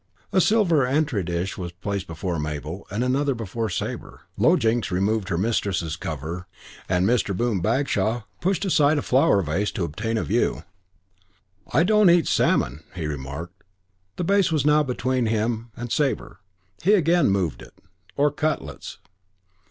VII A silver entrée dish was placed before Mabel, another before Sabre. Low Jinks removed her mistress's cover and Mr. Boom Bagshaw pushed aside a flower vase to obtain a view. "I don't eat salmon," he remarked. The vase was now between himself and Sabre. He again moved it, "Or cutlets."